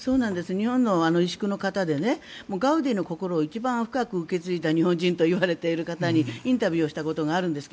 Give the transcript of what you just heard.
日本の石工の方でガウディの心を一番深く受け継いだ日本人といわれる方にインタビューしたことがあるんですが